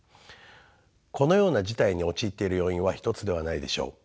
このような事態に陥っている要因は１つではないでしょう。